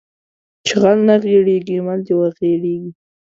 چې غل نه غېړيږي مل د وغړيږي